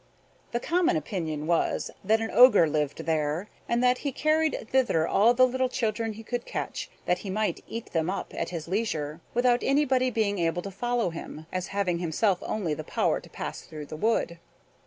The common opinion was: That an ogre lived there, and that he carried thither all the little children he could catch, that he might eat them up at his leisure, without anybody being able to follow him, as having himself only the power to pass through the wood.